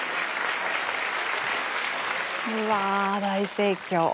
うわ大盛況。